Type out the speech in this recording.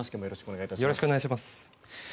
よろしくお願いします。